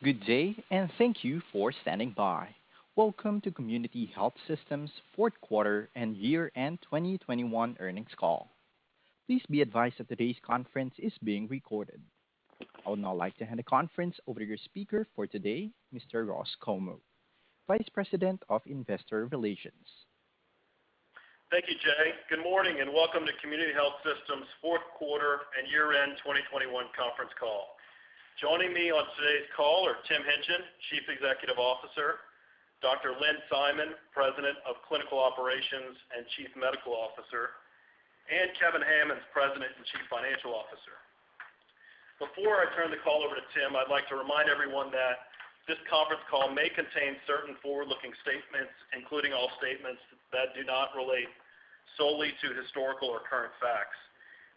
Good day, and thank you for standing by. Welcome to Community Health Systems' Q4 and year-end 2021 earnings call. Please be advised that today's conference is being recorded. I would now like to hand the conference over to your speaker for today, Mr. Ross Comeaux, Vice President of Investor Relations. Thank you, Jay. Good morning, and welcome to Community Health Systems' Q4 and year-end 2021 conference call. Joining me on today's call are Tim Hingtgen, Chief Executive Officer, Dr. Lynn Simon, President of Clinical Operations and Chief Medical Officer, and Kevin Hammons, President and Chief Financial Officer. Before I turn the call over to Tim, I'd like to remind everyone that this conference call may contain certain forward-looking statements, including all statements that do not relate solely to historical or current facts.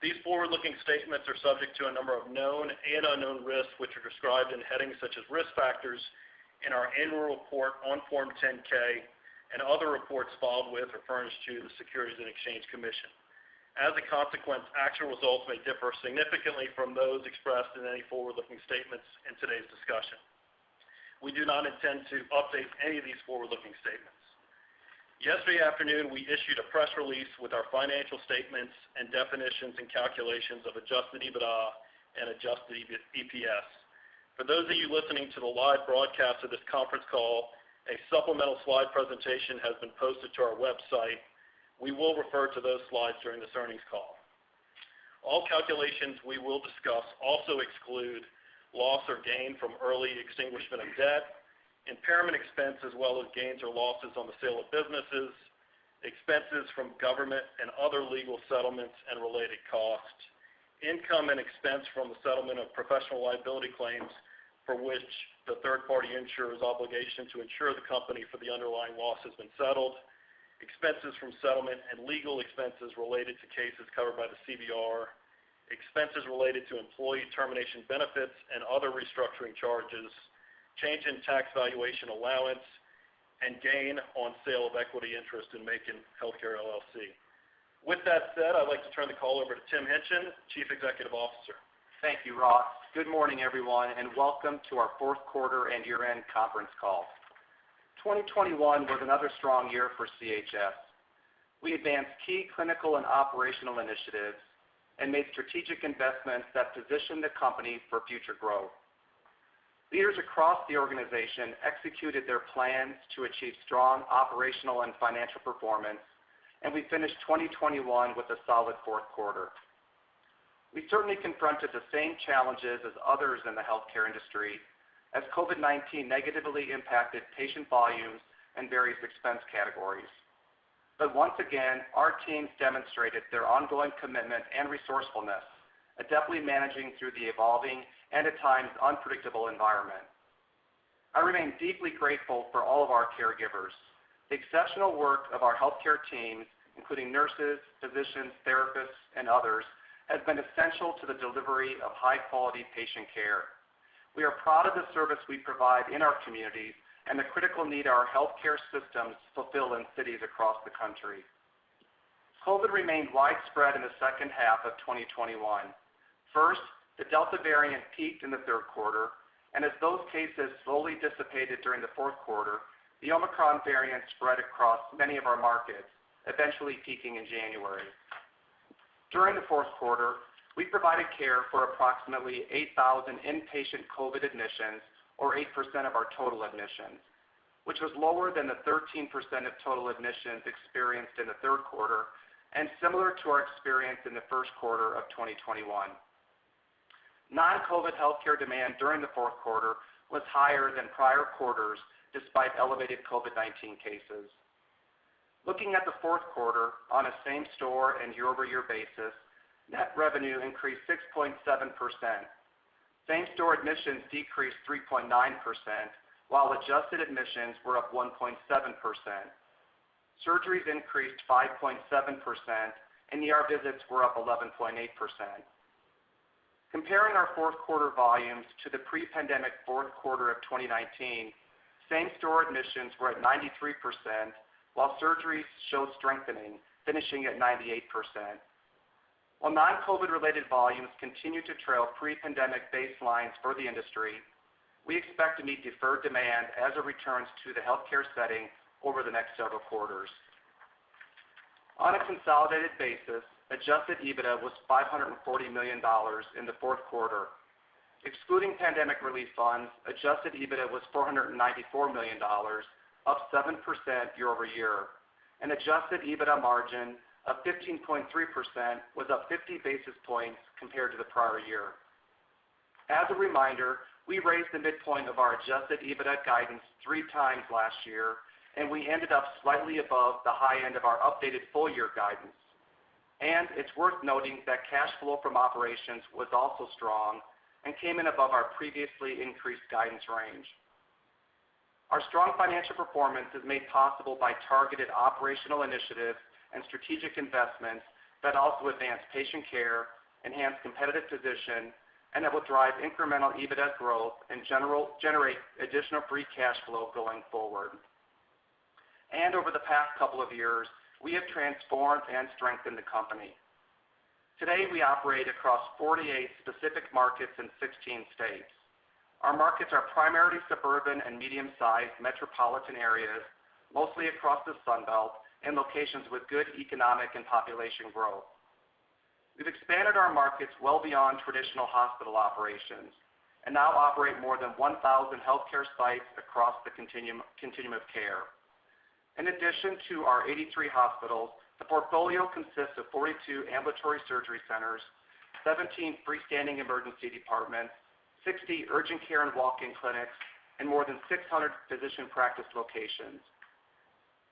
These forward-looking statements are subject to a number of known and unknown risks, which are described in headings such as Risk Factors in our annual report on Form 10-K and other reports filed with or furnished to the Securities and Exchange Commission. As a consequence, actual results may differ significantly from those expressed in any forward-looking statements in today's discussion. We do not intend to update any of these forward-looking statements. Yesterday afternoon, we issued a press release with our financial statements and definitions and calculations of adjusted EBITDA and adjusted EPS. For those of you listening to the live broadcast of this conference call, a supplemental slide presentation has been posted to our website. We will refer to those slides during this earnings call. All calculations we will discuss also exclude loss or gain from early extinguishment of debt, impairment expense as well as gains or losses on the sale of businesses, expenses from government and other legal settlements and related costs, income and expense from the settlement of professional liability claims for which the third party insurer's obligation to insure the company for the underlying loss has been settled, expenses from settlement and legal expenses related to cases covered by the CVR, expenses related to employee termination benefits and other restructuring charges, change in tax valuation allowance, and gain on sale of equity interest in Macon Healthcare, LLC. With that said, I'd like to turn the call over to Tim Hingtgen, Chief Executive Officer. Thank you, Ross. Good morning, everyone, and welcome to our Q4 and year-end conference call. 2021 was another strong year for CHS. We advanced key clinical and operational initiatives and made strategic investments that position the company for future growth. Leaders across the organization executed their plans to achieve strong operational and financial performance, and we finished 2021 with a solid Q4. We certainly confronted the same challenges as others in the healthcare industry as COVID-19 negatively impacted patient volumes and various expense categories. Once again, our teams demonstrated their ongoing commitment and resourcefulness at deftly managing through the evolving and, at times, unpredictable environment. I remain deeply grateful for all of our caregivers. The exceptional work of our healthcare teams, including nurses, physicians, therapists, and others, has been essential to the delivery of high-quality patient care. We are proud of the service we provide in our communities and the critical need our healthcare systems fulfill in cities across the country. COVID remained widespread in the second half of 2021. First, the Delta variant peaked in the Q3, and as those cases slowly dissipated during the Q4, the Omicron variant spread across many of our markets, eventually peaking in January. During the Q4, we provided care for approximately 8,000 inpatient COVID admissions or 8% of our total admissions, which was lower than the 13% of total admissions experienced in the Q3 and similar to our experience in the Q1 of 2021. Non-COVID healthcare demand during the Q4 was higher than prior quarters despite elevated COVID-19 cases. Looking at the Q4 on a same store and year-over-year basis, net revenue increased 6.7%. Same store admissions decreased 3.9%, while adjusted admissions were up 1.7%. Surgeries increased 5.7%, and ER visits were up 11.8%. Comparing our Q4 volumes to the pre-pandemic Q4 of 2019, same store admissions were at 93%, while surgeries showed strengthening, finishing at 98%. While non-COVID-related volumes continue to trail pre-pandemic baselines for the industry, we expect to meet deferred demand as it returns to the healthcare setting over the next several quarters. On a consolidated basis, adjusted EBITDA was $540 million in the Q4. Excluding pandemic relief funds, adjusted EBITDA was $494 million, up 7% year-over-year. An adjusted EBITDA margin of 15.3% was up 50 basis points compared to the prior year. As a reminder, we raised the midpoint of our adjusted EBITDA guidance 3 times last year, and we ended up slightly above the high end of our updated full-year guidance. It's worth noting that cash flow from operations was also strong and came in above our previously increased guidance range. Our strong financial performance is made possible by targeted operational initiatives and strategic investments that also advance patient care, enhance competitive position, and that will drive incremental EBITDA growth and generate additional free cash flow going forward. Over the past couple of years, we have transformed and strengthened the company. Today, we operate across 48 specific markets in 16 states. Our markets are primarily suburban and medium-sized metropolitan areas, mostly across the Sun Belt and locations with good economic and population growth. We've expanded our markets well beyond traditional hospital operations and now operate more than 1,000 healthcare sites across the continuum of care. In addition to our 83 hospitals, the portfolio consists of 42 ambulatory surgery centers, 17 freestanding emergency departments, 60 urgent care and walk-in clinics, and more than 600 physician practice locations.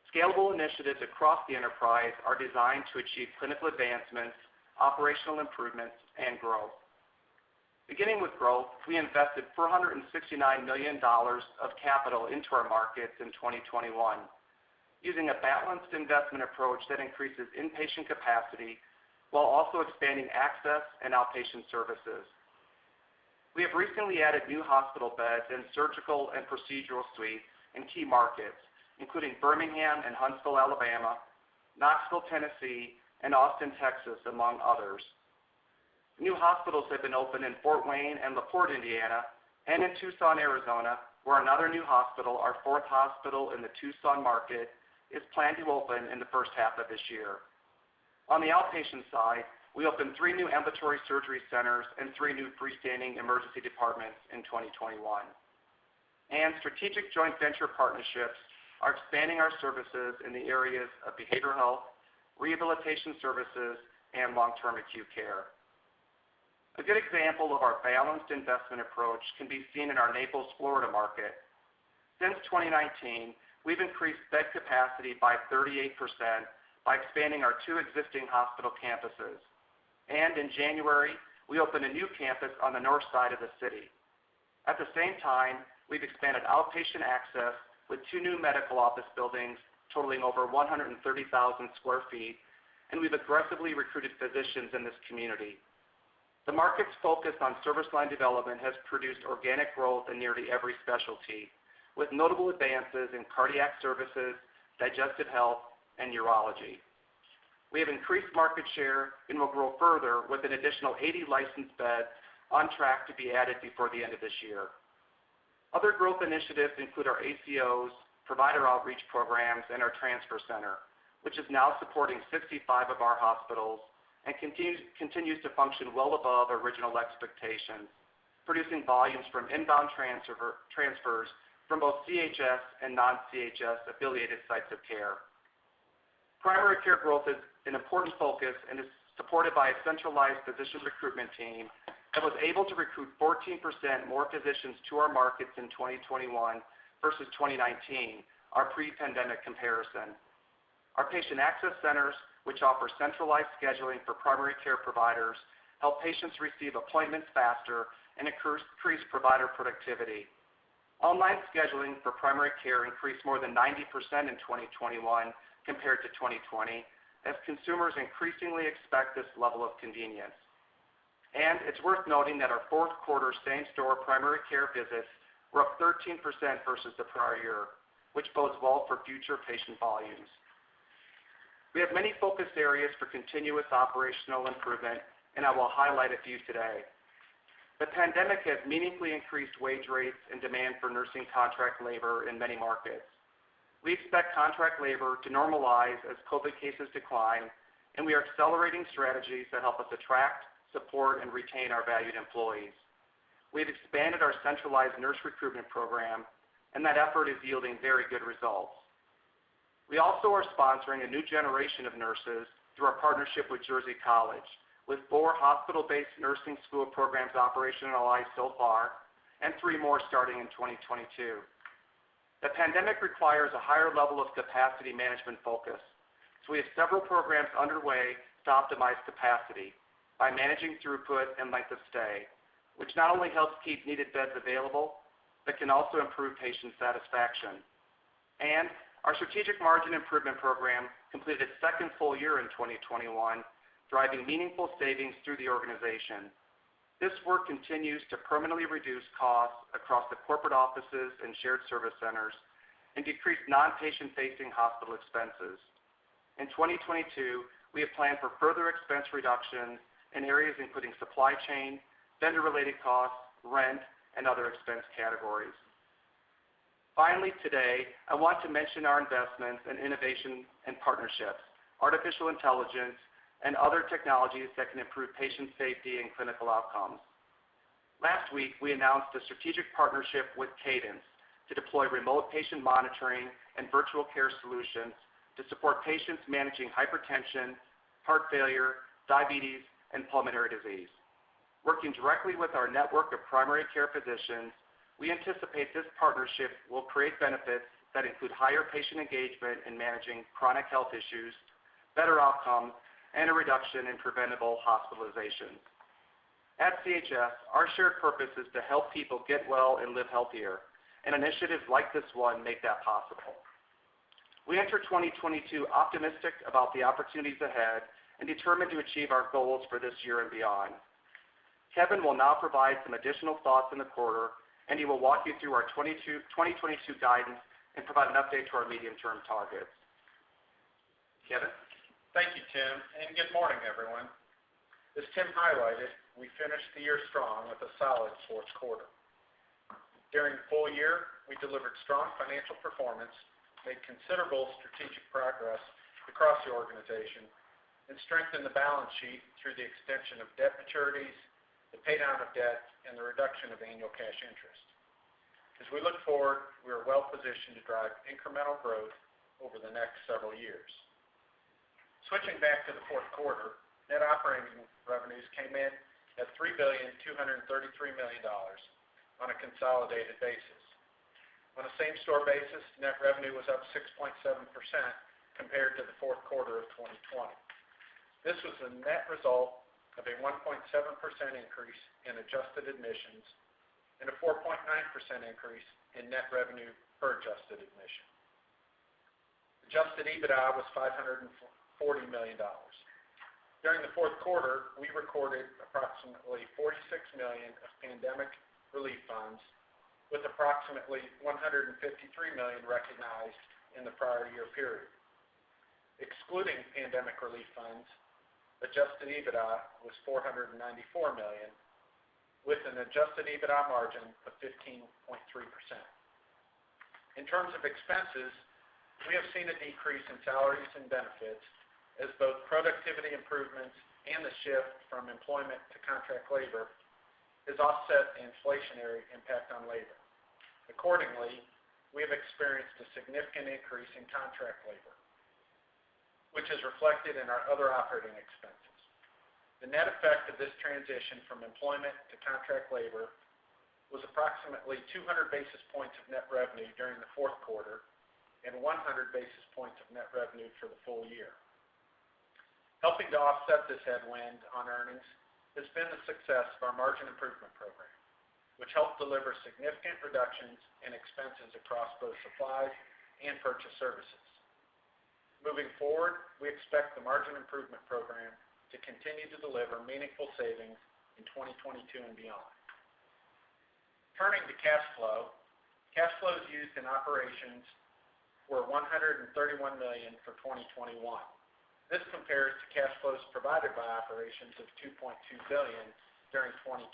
Scalable initiatives across the enterprise are designed to achieve clinical advancements, operational improvements, and growth. Beginning with growth, we invested $469 million of capital into our markets in 2021, using a balanced investment approach that increases inpatient capacity while also expanding access and outpatient services. We have recently added new hospital beds and surgical and procedural suites in key markets, including Birmingham and Huntsville, Alabama, Knoxville, Tennessee, and Austin, Texas, among others. New hospitals have been opened in Fort Wayne and LaPorte, Indiana, and in Tucson, Arizona, where another new hospital, our fourth hospital in the Tucson market, is planned to open in the first half of this year. On the outpatient side, we opened 3 new ambulatory surgery centers and 3 new freestanding emergency departments in 2021. Strategic joint venture partnerships are expanding our services in the areas of behavioral health, rehabilitation services, and long-term acute care. A good example of our balanced investment approach can be seen in our Naples, Florida, market. Since 2019, we've increased bed capacity by 38% by expanding our two existing hospital campuses. In January, we opened a new campus on the north side of the city. At the same time, we've expanded outpatient access with two new medical office buildings totaling over 130,000 sq ft, and we've aggressively recruited physicians in this community. The market's focus on service line development has produced organic growth in nearly every specialty, with notable advances in cardiac services, digestive health, and urology. We have increased market share and will grow further with an additional 80 licensed beds on track to be added before the end of this year. Other growth initiatives include our ACOs, provider outreach programs, and our transfer center, which is now supporting 65 of our hospitals and continues to function well above original expectations, producing volumes from inbound transfers from both CHS and non-CHS affiliated sites of care. Primary care growth is an important focus and is supported by a centralized physician recruitment team that was able to recruit 14% more physicians to our markets in 2021 versus 2019, our pre-pandemic comparison. Our patient access centers, which offer centralized scheduling for primary care providers, help patients receive appointments faster and increase provider productivity. Online scheduling for primary care increased more than 90% in 2021 compared to 2020 as consumers increasingly expect this level of convenience. It's worth noting that our Q4 same-store primary care visits were up 13% versus the prior year, which bodes well for future patient volumes. We have many focus areas for continuous operational improvement, and I will highlight a few today. The pandemic has meaningfully increased wage rates and demand for nursing contract labor in many markets. We expect contract labor to normalize as COVID cases decline, and we are accelerating strategies that help us attract, support, and retain our valued employees. We have expanded our centralized nurse recruitment program, and that effort is yielding very good results. We also are sponsoring a new generation of nurses through our partnership with Jersey College, with four hospital-based nursing school programs operationalized so far and three more starting in 2022. The pandemic requires a higher level of capacity management focus, so we have several programs underway to optimize capacity by managing throughput and length of stay, which not only helps keep needed beds available, but can also improve patient satisfaction. Our Strategic Margin Improvement Program completed its second full year in 2021, driving meaningful savings through the organization. This work continues to permanently reduce costs across the corporate offices and shared service centers and decrease non-patient facing hospital expenses. In 2022, we have planned for further expense reduction in areas including supply chain, vendor-related costs, rent, and other expense categories. Finally, today, I want to mention our investments in innovation and partnerships, artificial intelligence, and other technologies that can improve patient safety and clinical outcomes. Last week, we announced a strategic partnership with Cadence to deploy remote patient monitoring and virtual care solutions to support patients managing hypertension, heart failure, diabetes, and pulmonary disease. Working directly with our network of primary care physicians, we anticipate this partnership will create benefits that include higher patient engagement in managing chronic health issues, better outcomes, and a reduction in preventable hospitalizations. At CHS, our shared purpose is to help people get well and live healthier, and initiatives like this one make that possible. We enter 2022 optimistic about the opportunities ahead and determined to achieve our goals for this year and beyond. Kevin will now provide some additional thoughts on the quarter, and he will walk you through our 2022 guidance and provide an update to our medium-term targets. Kevin? Thank you, Tim, and good morning, everyone. As Tim highlighted, we finished the year strong with a solid Q4. During the full year, we delivered strong financial performance, made considerable strategic progress across the organization, and strengthened the balance sheet through the extension of debt maturities, the pay down of debt, and the reduction of annual cash interest. As we look forward, we are well-positioned to drive incremental growth over the next several years. Switching back to the Q4, net operating revenues came in at $3.233 billion on a consolidated basis. On a same-store basis, net revenue was up 6.7% compared to the Q4 of 2020. This was a net result of a 1.7% increase in adjusted admissions and a 4.9% increase in net revenue per adjusted admission. Adjusted EBITDA was $540 million. During the Q4, we recorded approximately $46 million of pandemic relief funds, with approximately $153 million recognized in the prior year period. Excluding pandemic relief funds, adjusted EBITDA was $494 million, with an adjusted EBITDA margin of 15.3%. In terms of expenses, we have seen a decrease in salaries and benefits as both productivity improvements and the shift from employment to contract labor has offset the inflationary impact on labor. Accordingly, we have experienced a significant increase in contract labor, which is reflected in our other operating expenses. The net effect of this transition from employment to contract labor was approximately 200 basis points of net revenue during the Q4 and 100 basis points of net revenue for the full year. Helping to offset this headwind on earnings has been the success of our margin improvement program, which helped deliver significant reductions in expenses across both supplies and purchase services. Moving forward, we expect the margin improvement program to continue to deliver meaningful savings in 2022 and beyond. Turning to cash flow. Cash flows used in operations were $131 million for 2021. This compares to cash flows provided by operations of $2.2 billion during 2020.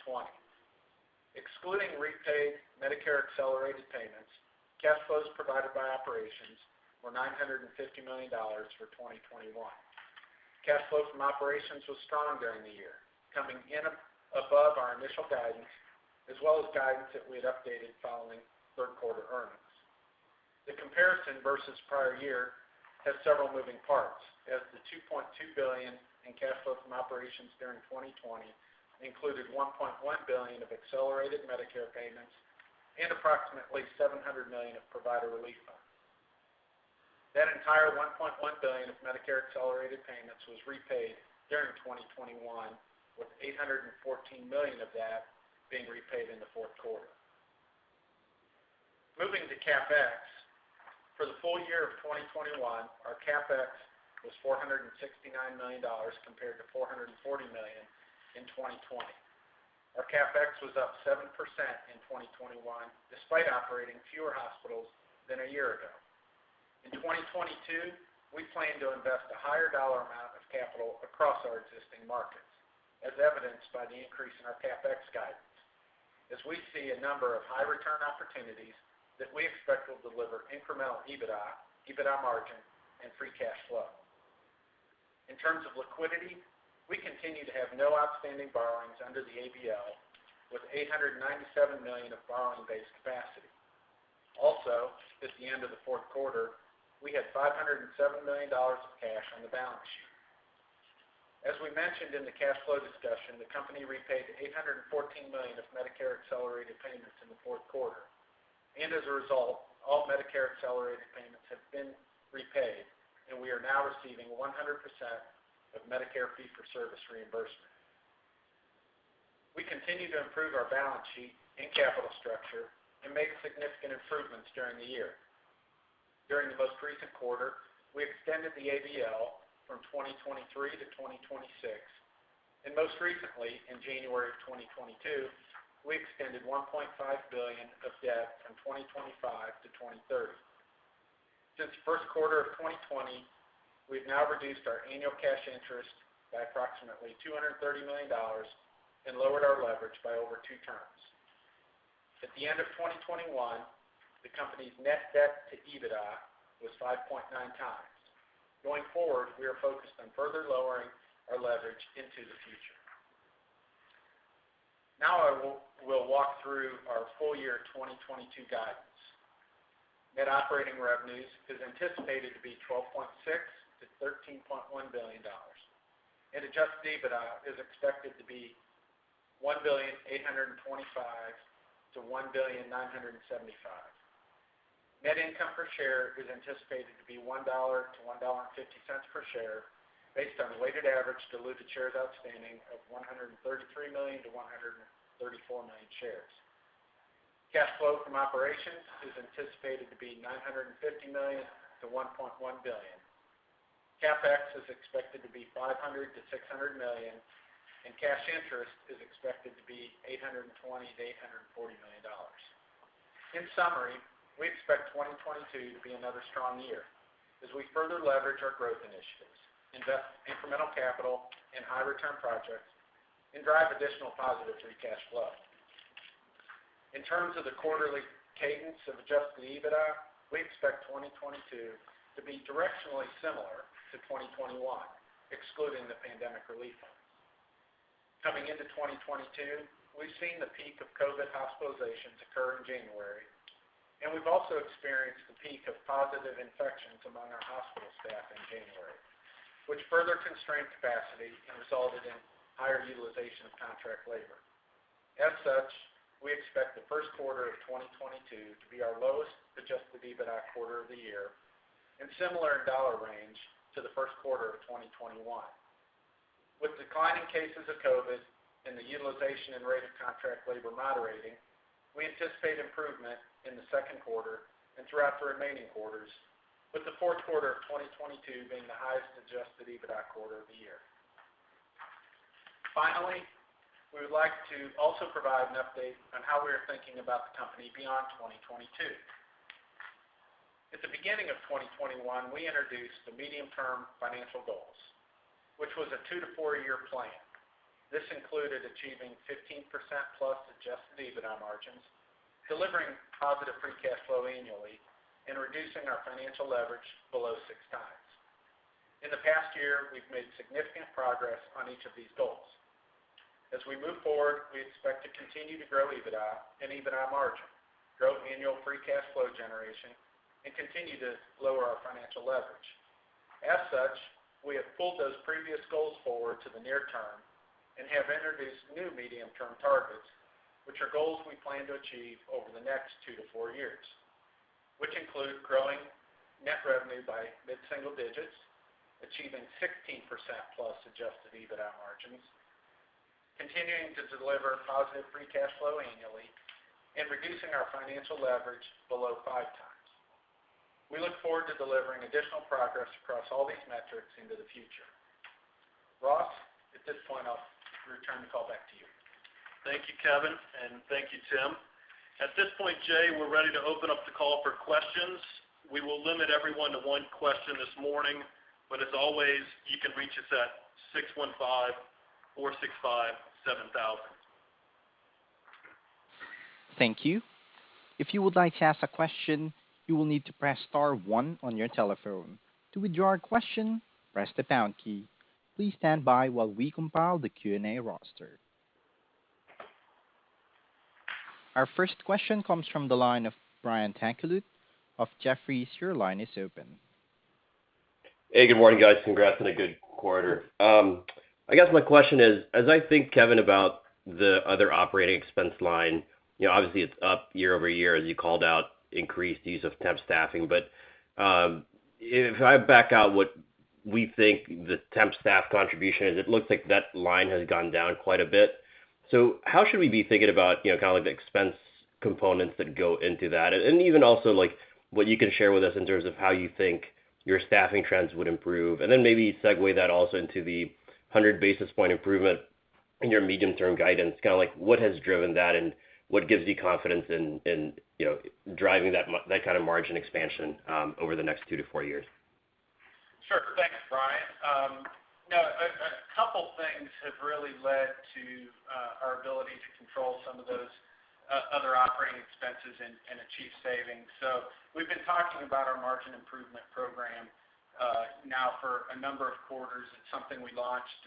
Excluding repaid Medicare accelerated payments, cash flows provided by operations were $950 million for 2021. Cash flow from operations was strong during the year, coming in above our initial guidance as well as guidance that we had updated following Q3 earnings. The comparison versus prior year has several moving parts, as the $2.2 billion in cash flow from operations during 2020 included $1.1 billion of Medicare accelerated payments and approximately $700 million of Provider Relief Fund. That entire $1.1 billion of Medicare accelerated payments was repaid during 2021, with $814 million of that being repaid in the Q4. Moving to CapEx. For the full year of 2021, our CapEx was $469 million compared to $440 million in 2020. Our CapEx was up 7% in 2021, despite operating fewer hospitals than a year ago. In 2022, we plan to invest a higher dollar amount of capital across our existing markets, as evidenced by the increase in our CapEx guidance as we see a number of high return opportunities that we expect will deliver incremental EBITDA margin, and free cash flow. In terms of liquidity, we continue to have no outstanding borrowings under the ABL, with $897 million of borrowing-based capacity. Also, at the end of the Q4, we had $507 million of cash on the balance sheet. As we mentioned in the cash flow discussion, the company repaid $814 million of Medicare accelerated payments in the Q4. As a result, all Medicare accelerated payments have been repaid, and we are now receiving 100% of Medicare fee-for-service reimbursement. We continue to improve our balance sheet and capital structure and make significant improvements during the year. During the most recent quarter, we extended the ABL from 2023 to 2026, and most recently, in January 2022, we extended $1.5 billion of debt from 2025 to 2030. Since the Q1 of 2020, we've now reduced our annual cash interest by approximately $230 million and lowered our leverage by over 2 turns. At the end of 2021, the company's net debt to EBITDA was 5.9 times. Going forward, we are focused on further lowering our leverage into the future. Now we'll walk through our full year 2022 guidance. Net operating revenues is anticipated to be $12.6 billion-$13.1 billion, and adjusted EBITDA is expected to be $1.825 billion-$1.975 billion. Net income per share is anticipated to be $1-$1.50 per share, based on the weighted average diluted shares outstanding of 133 million-134 million shares. Cash flow from operations is anticipated to be $950 million-$1.1 billion. CapEx is expected to be $500 million-$600 million, and cash interest is expected to be $820 million-$840 million. In summary, we expect 2022 to be another strong year as we further leverage our growth initiatives, invest incremental capital in high return projects, and drive additional positive free cash flow. In terms of the quarterly cadence of adjusted EBITDA, we expect 2022 to be directionally similar to 2021, excluding the pandemic relief fund. Coming into 2022, we've seen the peak of COVID hospitalizations occur in January, and we've also experienced the peak of positive infections among our hospital staff in January, which further constrained capacity and resulted in higher utilization of contract labor. As such, we expect the Q1 of 2022 to be our lowest adjusted EBITDA quarter of the year and similar in dollar range to the Q1 of 2021. With declining cases of COVID and the utilization and rate of contract labor moderating, we anticipate improvement in the Q2 and throughout the remaining quarters, with the Q4 of 2022 being the highest adjusted EBITDA quarter of the year. Finally, we would like to also provide an update on how we are thinking about the company beyond 2022. At the beginning of 2021, we introduced the medium-term financial goals, which was a 2-4-year plan. This included achieving 15%+ adjusted EBITDA margins, delivering positive free cash flow annually, and reducing our financial leverage below 6x. In the past year, we've made significant progress on each of these goals. As we move forward, we expect to continue to grow EBITDA and EBITDA margin, grow annual free cash flow generation, and continue to lower our financial leverage. As such, we have pulled those previous goals forward to the near term and have introduced new medium-term targets, which are goals we plan to achieve over the next 2-4 years, which include growing net revenue by mid-single digits, achieving 16%+ adjusted EBITDA margins, continuing to deliver positive free cash flow annually, and reducing our financial leverage below 5x. We look forward to delivering additional progress across all these metrics into the future. Ross, at this point, I'll return the call back to you. Thank you, Kevin, and thank you, Tim. At this point, Jay, we're ready to open up the call for questions. We will limit everyone to one question this morning, but as always, you can reach us at 615-465-7000. Thank you. If you would like to ask a question, you will need to press star one on your telephone. To withdraw a question, press the pound key. Please stand by while we compile the Q&A roster. Our first question comes from the line of Brian Tanquilut of Jefferies. Your line is open. Hey, good morning, guys. Congrats on a good quarter. I guess my question is, as I think, Kevin, about the other operating expense line, you know, obviously it's up year-over-year, as you called out increased use of temp staffing. But, if I back out what we think the temp staff contribution is, it looks like that line has gone down quite a bit. How should we be thinking about, you know, kind of like the expense components that go into that? Even also, like what you can share with us in terms of how you think your staffing trends would improve, and then maybe segue that also into the 100 basis points improvement in your medium-term guidance, kind of like what has driven that and what gives you confidence in, you know, driving that that kind of margin expansion over the next 2-4 years? Sure. Thanks, Brian. You know, a couple things have really led to our ability to control some of those other operating expenses and achieve savings. We've been talking about our Margin Improvement Program now for a number of quarters. It's something we launched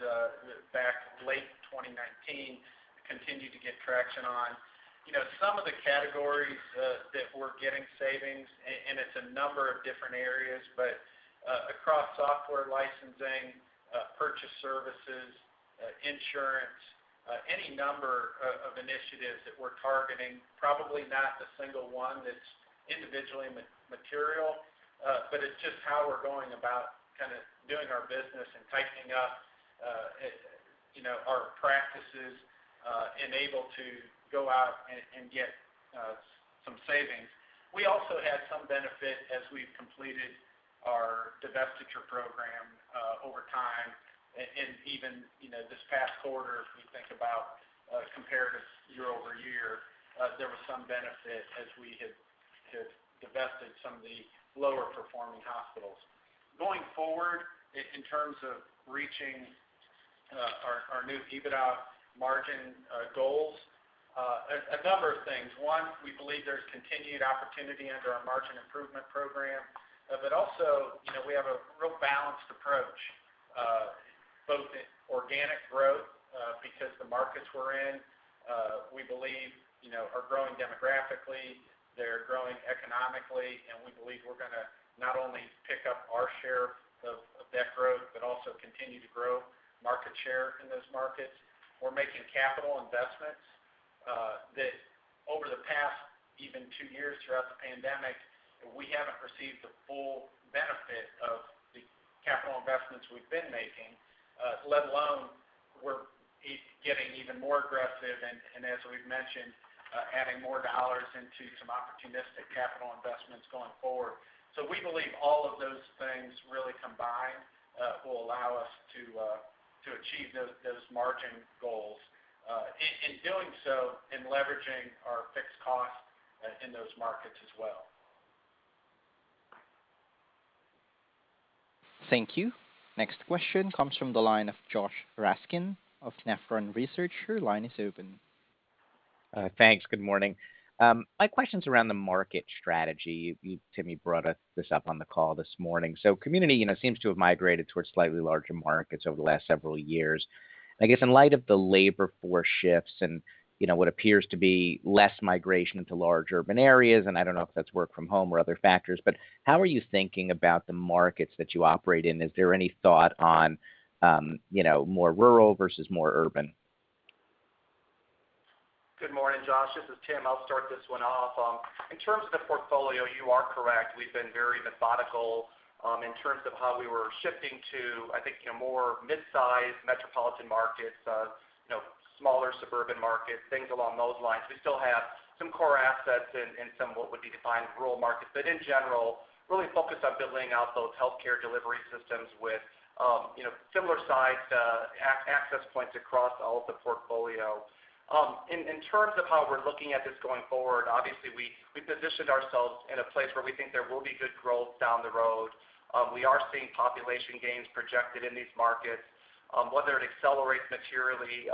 back late 2019, continue to get traction on. You know, some of the categories that we're getting savings and it's a number of different areas, but across software licensing, purchase services, insurance, any number of initiatives that we're targeting, probably not a single one that's individually material, but it's just how we're going about kind of doing our business and tightening up, you know, our practices and able to go out and get some savings. We also had some benefit as we've completed our divestiture program over time. Even, you know, this past quarter, if we think about comparative year-over-year, there was some benefit as we had divested some of the lower performing hospitals. Going forward, in terms of reaching our new EBITDA margin goals, a number of things. One, we believe there's continued opportunity under our Margin Improvement Program. Also, you know, we have a real balanced approach both in organic growth because the markets we're in, we believe, you know, are growing demographically, they're growing economically, and we believe we're gonna not only pick up our share of that growth, but also continue to grow market share in those markets. We're making capital investments that over the past, even two years throughout the pandemic, we haven't received the full benefit of the capital investments we've been making, let alone we're getting even more aggressive and as we've mentioned, adding more dollars into some opportunistic capital investments going forward. We believe all of those things really combined will allow us to achieve those margin goals in doing so, in leveraging our fixed costs in those markets as well. Thank you. Next question comes from the line of Josh Raskin of Nephron Research. Your line is open. Thanks. Good morning. My question's around the market strategy. Tim, you brought up this on the call this morning. Community, you know, seems to have migrated towards slightly larger markets over the last several years. I guess in light of the labor force shifts and, you know, what appears to be less migration into large urban areas, and I don't know if that's work from home or other factors, but how are you thinking about the markets that you operate in? Is there any thought on, you know, more rural versus more urban? Good morning, Josh. This is Tim. I'll start this one off. In terms of the portfolio, you are correct. We've been very methodical, in terms of how we were shifting to, I think, you know, more midsize metropolitan markets, you know, smaller suburban markets, things along those lines. We still have some core assets in some what would be defined as rural markets. In general, really focused on building out those healthcare delivery systems with, you know, similar sized, access points across all of the portfolio. In terms of how we're looking at this going forward, obviously, we positioned ourselves in a place where we think there will be good growth down the road. We are seeing population gains projected in these markets. Whether it accelerates materially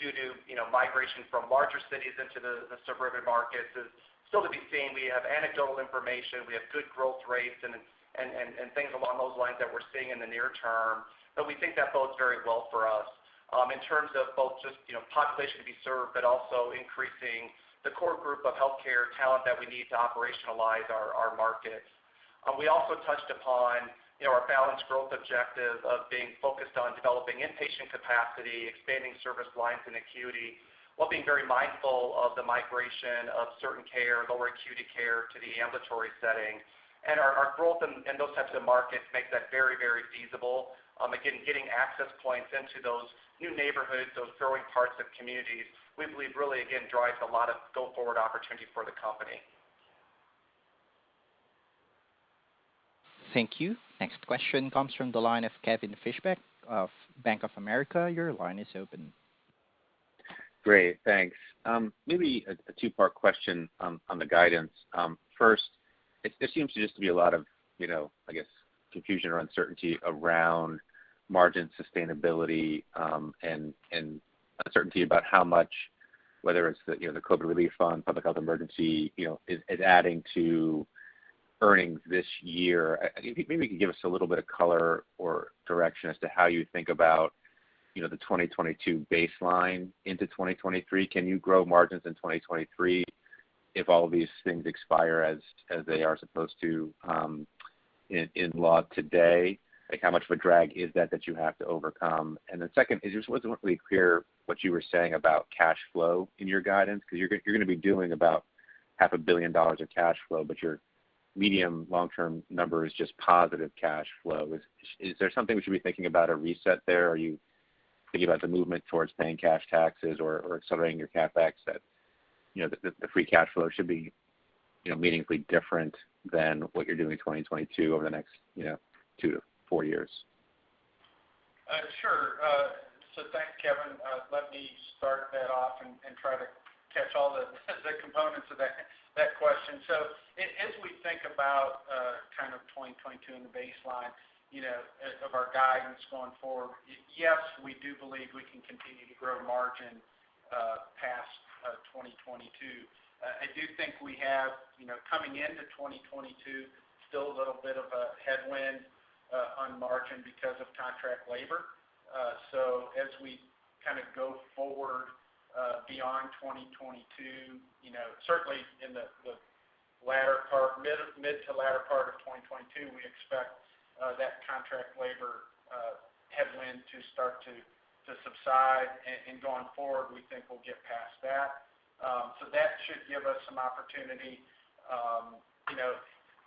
due to, you know, migration from larger cities into the suburban markets is still to be seen. We have anecdotal information. We have good growth rates and things along those lines that we're seeing in the near term. We think that bodes very well for us in terms of both just, you know, population to be served, but also increasing the core group of healthcare talent that we need to operationalize our markets. We also touched upon, you know, our balanced growth objective of being focused on developing inpatient capacity, expanding service lines and acuity, while being very mindful of the migration of certain care, lower acuity care to the ambulatory setting. Our growth in those types of markets makes that very, very feasible. Again, getting access points into those new neighborhoods, those growing parts of communities, we believe really, again, drives a lot of go-forward opportunity for the company. Thank you. Next question comes from the line of Kevin Fischbeck of Bank of America. Your line is open. Great. Thanks. Maybe a two-part question on the guidance. First, it seems to just be a lot of, you know, I guess, confusion or uncertainty around margin sustainability, and uncertainty about how much, whether it's the, you know, the COVID relief fund, public health emergency, you know, is adding to earnings this year. Maybe you can give us a little bit of color or direction as to how you think about, you know, the 2022 baseline into 2023. Can you grow margins in 2023 if all of these things expire as they are supposed to, in law today? Like, how much of a drag is that you have to overcome? Second, it just wasn't really clear what you were saying about cash flow in your guidance, 'cause you're gonna be doing about half a billion dollars of cash flow, but your medium long-term number is just positive cash flow. Is there something we should be thinking about a reset there? Are you thinking about the movement towards paying cash taxes or accelerating your CapEx that, you know, the free cash flow should be, you know, meaningfully different than what you're doing in 2022 over the next, you know, 2 to 4 years? Sure. Thanks, Kevin. Let me start that off and try to catch all the components of that question. As we think about kind of 2022 and the baseline, you know, of our guidance going forward, yes, we do believe we can continue to grow margin past 2022. I do think we have, you know, coming into 2022, still a little bit of a headwind on margin because of contract labor. As we kind of go forward beyond 2022, you know, certainly in the mid to latter part of 2022, we expect that contract labor headwind to start to subside. Going forward, we think we'll get past that. That should give us some opportunity. You know,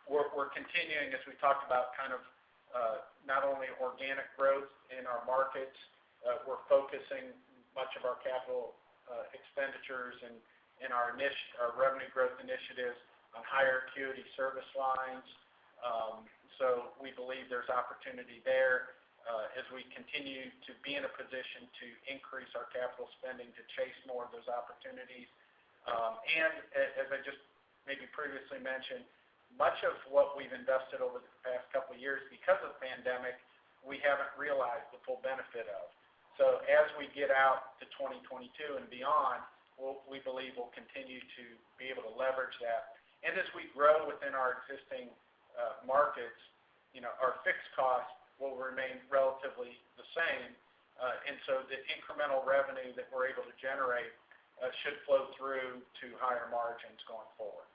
we're continuing, as we talked about, kind of, not only organic growth in our markets, we're focusing much of our capital expenditures and our revenue growth initiatives on higher acuity service lines. We believe there's opportunity there, as we continue to be in a position to increase our capital spending to chase more of those opportunities. As I just maybe previously mentioned, much of what we've invested over the past couple of years because of the pandemic, we haven't realized the full benefit of. As we get out to 2022 and beyond, we believe we'll continue to be able to leverage that. As we grow within our existing markets, you know, our fixed costs will remain relatively the same. The incremental revenue that we're able to generate should flow through to higher margins going forward.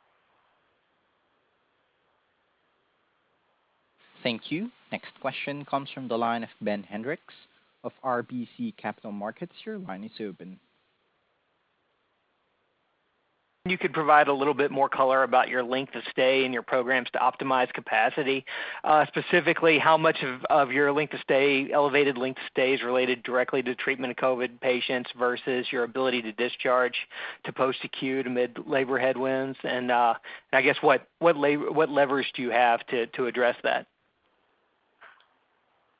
Thank you. Next question comes from the line of Ben Hendrix of RBC Capital Markets. Your line is open. You could provide a little bit more color about your length of stay in your programs to optimize capacity. Specifically, how much of your length of stay, elevated length of stay is related directly to treatment of COVID patients versus your ability to discharge to post-acute amid labor headwinds? I guess, what levers do you have to address that?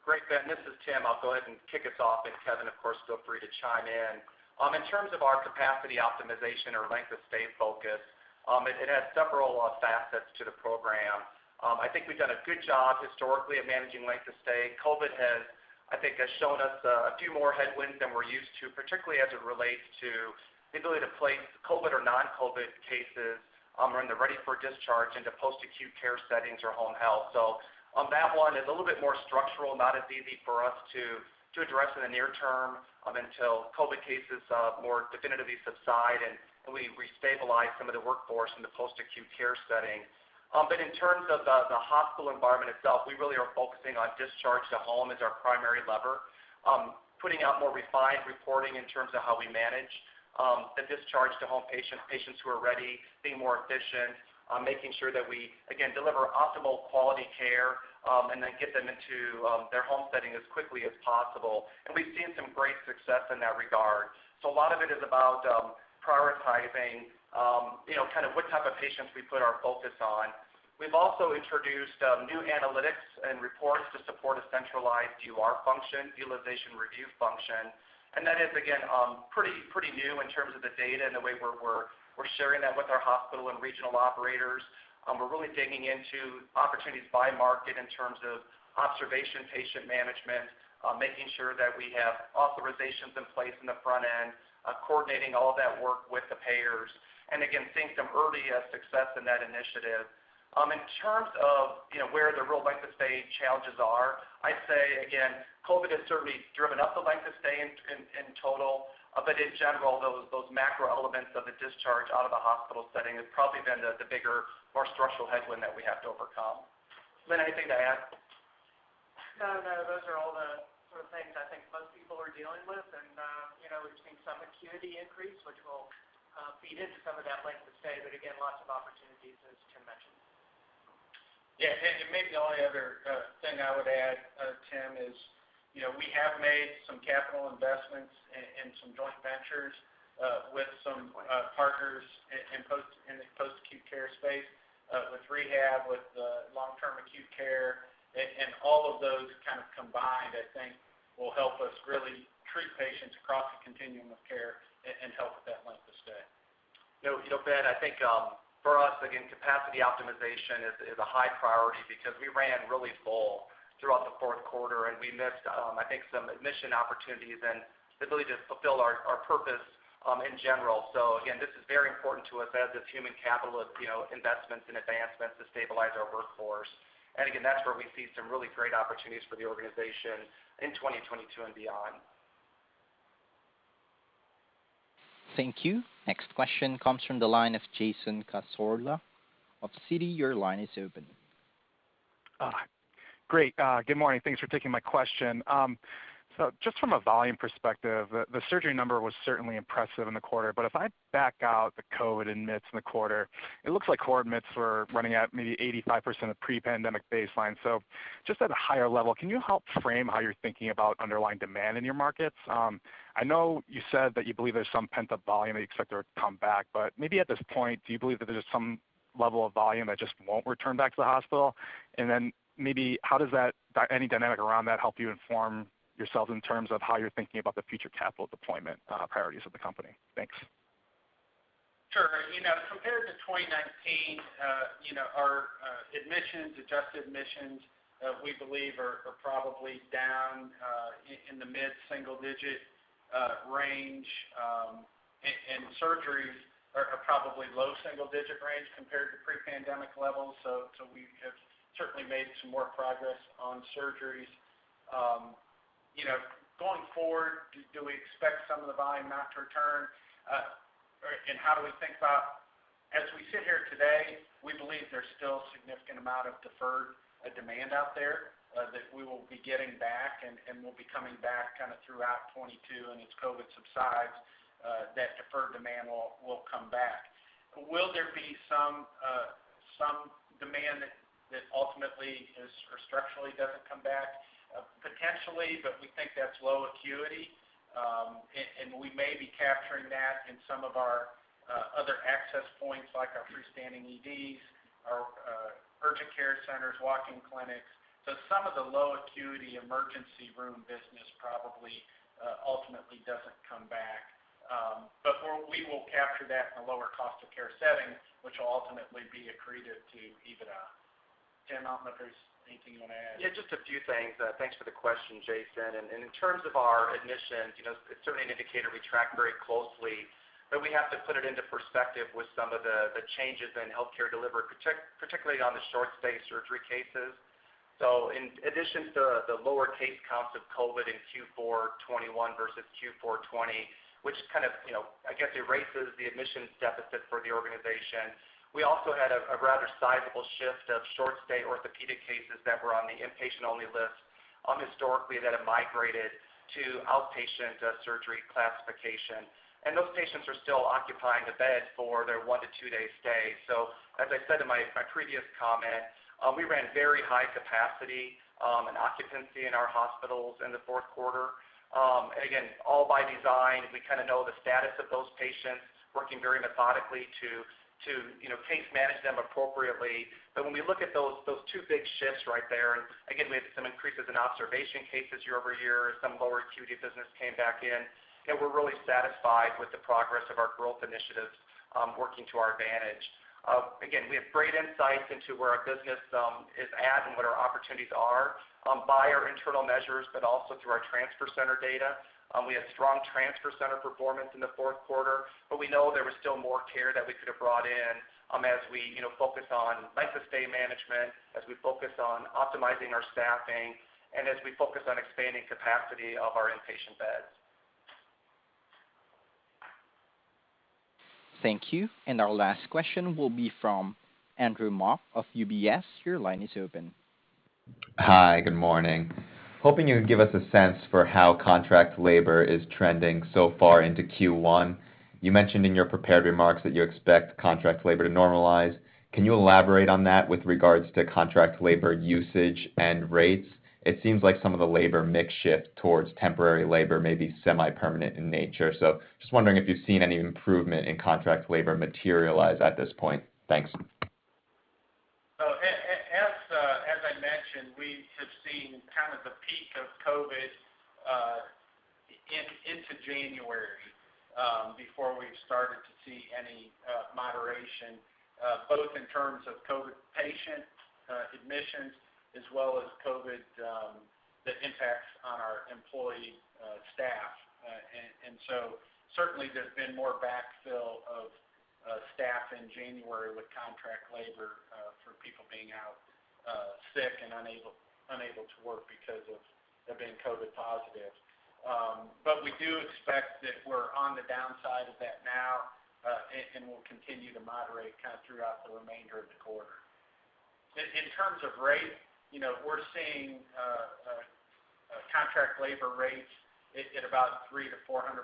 Great, Ben. This is Tim. I'll go ahead and kick us off. Kevin, of course, feel free to chime in. In terms of our capacity optimization or length of stay focus, it has several facets to the program. I think we've done a good job historically of managing length of stay. COVID has, I think, shown us a few more headwinds than we're used to, particularly as it relates to the ability to place COVID or non-COVID cases, when they're ready for discharge into post-acute care settings or home health. On that one, it's a little bit more structural, not as easy for us to address in the near term, until COVID cases more definitively subside, and we restabilize some of the workforce in the post-acute care setting. In terms of the hospital environment itself, we really are focusing on discharge to home as our primary lever. Putting out more refined reporting in terms of how we manage the discharge to home patients who are ready, being more efficient, making sure that we again deliver optimal quality care and then get them into their home setting as quickly as possible. We've seen some great success in that regard. A lot of it is about prioritizing you know kind of what type of patients we put our focus on. We've also introduced new analytics and reports to support a centralized UR function, utilization review function. That is again pretty new in terms of the data and the way we're sharing that with our hospital and regional operators. We're really digging into opportunities by market in terms of observation patient management, making sure that we have authorizations in place in the front end, coordinating all of that work with the payers, and again, seeing some early success in that initiative. In terms of, you know, where the real length of stay challenges are, I'd say again, COVID has certainly driven up the length of stay in total. But in general, those macro elements of the discharge out of the hospital setting has probably been the bigger, more structural headwind that we have to overcome. Lynn, anything to add? No, no. Those are all the sort of things I think most people are dealing with. You know, we've seen some acuity increase, which will feed into some of that length of stay, but again, lots of opportunities, as Tim mentioned. Yeah, maybe the only other thing I would add, Tim, is you know, we have made some capital investments and some joint ventures with some partners in the post-acute care space, with rehab, with long-term acute care. All of those kind of combined, I think, will help us really treat patients across the continuum of care and help with that length of stay. You know, Ben, I think for us, again, capacity optimization is a high priority because we ran really full throughout the Q4, and we missed, I think, some admission opportunities and the ability to fulfill our purpose in general. Again, this is very important to us as is human capital, you know, investments and advancements to stabilize our workforce. Again, that's where we see some really great opportunities for the organization in 2022 and beyond. Thank you. Next question comes from the line of Jason Cassorla of Citi. Your line is open. Great. Good morning. Thanks for taking my question. Just from a volume perspective, the surgery number was certainly impressive in the quarter. If I back out the COVID admits in the quarter, it looks like core admits were running at maybe 85% of pre-pandemic baseline. At a higher level, can you help frame how you're thinking about underlying demand in your markets? I know you said that you believe there's some pent-up volume that you expect to come back. Maybe at this point, do you believe that there's some level of volume that just won't return back to the hospital? Then maybe how does that dynamic around that help you inform yourselves in terms of how you're thinking about the future capital deployment priorities of the company? Thanks. Sure. You know, compared to 2019, you know, our admissions, adjusted admissions, we believe are probably down in the mid-single-digit range. Surgeries are probably low single-digit range compared to pre-pandemic levels. We have certainly made some more progress on surgeries. You know, going forward, do we expect some of the volume not to return? Or and how do we think about. As we sit here today, we believe there's still a significant amount of deferred demand out there that we will be getting back and will be coming back kinda throughout 2022. As COVID subsides, that deferred demand will come back. Will there be some demand that ultimately is or structurally doesn't come back? Potentially, but we think that's low acuity. We may be capturing that in some of our other access points like our freestanding EDs, our urgent care centers, walk-in clinics. Some of the low acuity emergency room business probably ultimately doesn't come back. We will capture that in a lower cost of care setting, which will ultimately be accretive to EBITDA. Tim, I don't know if there's anything you wanna add. Yeah, just a few things. Thanks for the question, Jason. In terms of our admissions, you know, it's certainly an indicator we track very closely. We have to put it into perspective with some of the changes in healthcare delivery, particularly on the short stay surgery cases. In addition to the lower case counts of COVID in Q4 2021 versus Q4 2020, which kind of, you know, I guess erases the admissions deficit for the organization, we also had a rather sizable shift of short stay orthopedic cases that were on the inpatient-only list, historically that have migrated to outpatient surgery classification. Those patients are still occupying the bed for their 1-2-day stay. As I said in my previous comment, we ran very high capacity and occupancy in our hospitals in the Q4. Again, all by design, we kinda know the status of those patients working very methodically to you know, case manage them appropriately. When we look at those two big shifts right there, and again, we had some increases in observation cases year over year, some lower acuity business came back in, you know, we're really satisfied with the progress of our growth initiatives, working to our advantage. Again, we have great insights into where our business is at and what our opportunities are, by our internal measures, but also through our transfer center data. We had strong transfer center performance in the Q4, but we know there was still more care that we could have brought in, as we, you know, focus on length of stay management, as we focus on optimizing our staffing, and as we focus on expanding capacity of our inpatient beds. Thank you. Our last question will be from Andrew Mok of UBS. Your line is open. Hi. Good morning. Hoping you can give us a sense for how contract labor is trending so far into Q1. You mentioned in your prepared remarks that you expect contract labor to normalize. Can you elaborate on that with regards to contract labor usage and rates? It seems like some of the labor mix shift towards temporary labor may be semi-permanent in nature. Just wondering if you've seen any improvement in contract labor materialize at this point. Thanks. As I mentioned, we have seen kind of the peak of COVID into January before we started to see any moderation both in terms of COVID patient admissions as well as COVID impacts on our employee staff. Certainly there's been more backfill of staff in January with contract labor for people being out sick and unable to work because of being COVID positive. But we do expect that we're on the downside of that now and will continue to moderate kind of throughout the remainder of the quarter. In terms of rate, you know, we're seeing contract labor rates at about 300%-400%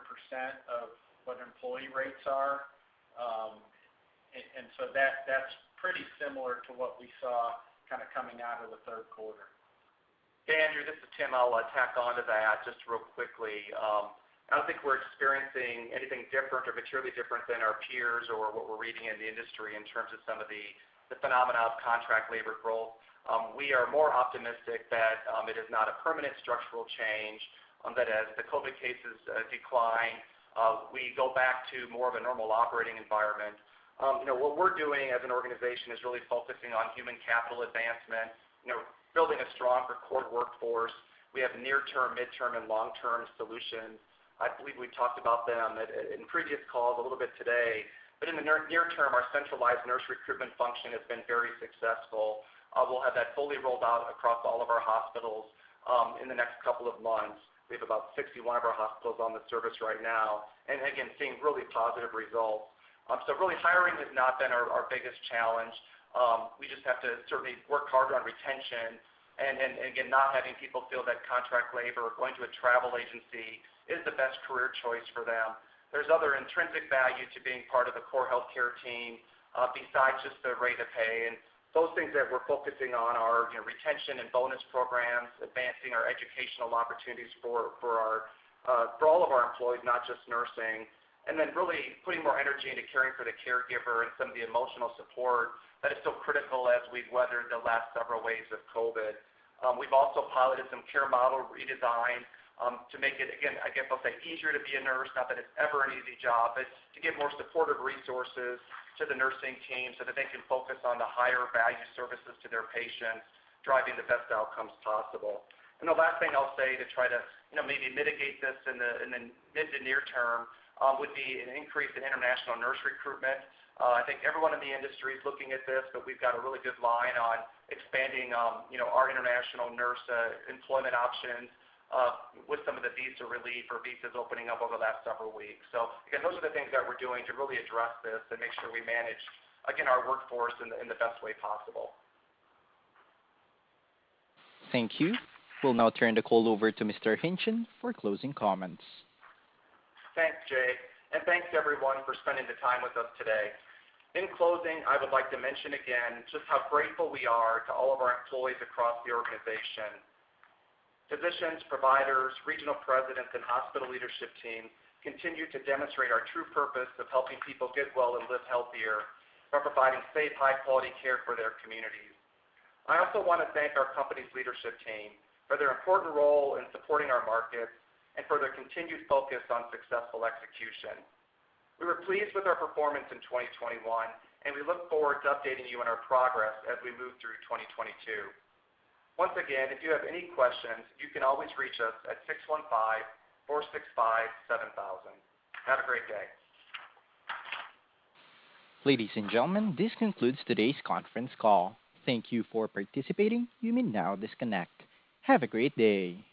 of what employee rates are. That's pretty similar to what we saw kind of coming out of the Q3. Hey, Andrew, this is Tim. I'll tack on to that just real quickly. I don't think we're experiencing anything different or materially different than our peers or what we're reading in the industry in terms of some of the phenomena of contract labor growth. We are more optimistic that it is not a permanent structural change that as the COVID cases decline we go back to more of a normal operating environment. You know, what we're doing as an organization is really focusing on human capital advancement. You know, building a stronger core workforce. We have near-term, mid-term, and long-term solutions. I believe we've talked about them in previous calls, a little bit today. In the near term, our centralized nurse recruitment function has been very successful. We'll have that fully rolled out across all of our hospitals in the next couple of months. We have about 61 of our hospitals on the service right now, and again, seeing really positive results. Really hiring has not been our biggest challenge. We just have to certainly work harder on retention and again, not having people feel that contract labor or going to a travel agency is the best career choice for them. There's other intrinsic value to being part of the core healthcare team besides just the rate of pay. Those things that we're focusing on are, you know, retention and bonus programs, advancing our educational opportunities for all of our employees, not just nursing. Really putting more energy into caring for the caregiver and some of the emotional support that is so critical as we've weathered the last several waves of COVID. We've also piloted some care model redesign to make it again, I guess I'll say, easier to be a nurse, not that it's ever an easy job, but to give more supportive resources to the nursing team so that they can focus on the higher value services to their patients, driving the best outcomes possible. The last thing I'll say to try to, you know, maybe mitigate this in the mid to near term would be an increase in international nurse recruitment. I think everyone in the industry is looking at this, but we've got a really good line on expanding, you know, our international nurse employment options, with some of the visa relief or visas opening up over the last several weeks. Those are the things that we're doing to really address this and make sure we manage our workforce in the best way possible. Thank you. We'll now turn the call over to Mr. Hingtgen for closing comments. Thanks, Jay. Thanks everyone for spending the time with us today. In closing, I would like to mention again just how grateful we are to all of our employees across the organization. Physicians, providers, regional presidents, and hospital leadership team continue to demonstrate our true purpose of helping people get well and live healthier by providing safe, high quality care for their communities. I also wanna thank our company's leadership team for their important role in supporting our markets and for their continued focus on successful execution. We were pleased with our performance in 2021, and we look forward to updating you on our progress as we move through 2022. Once again, if you have any questions, you can always reach us at 615-465-7000. Have a great day. Ladies and gentlemen, this concludes today's conference call. Thank you for participating. You may now disconnect. Have a great day.